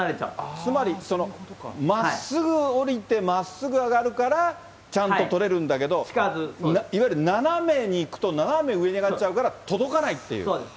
つまり、まっすぐ降りて、まっすぐ上がるからちゃんと取れるんだけど、いわゆる斜めに行くと、斜め上に上がっちゃうから届かないっていそうです。